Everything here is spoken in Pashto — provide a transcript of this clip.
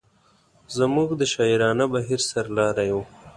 زموږ د شاعرانه بهیر سر لاری و.